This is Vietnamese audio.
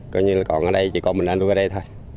coi như là còn ở đây chỉ còn mình anh tôi ở đây thôi